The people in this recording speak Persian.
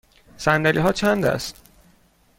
صندلی ها چند است؟